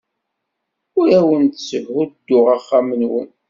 Ur awen-tthudduɣ axxam-nwen.